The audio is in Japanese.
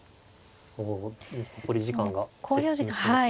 おお残り時間が接近しました。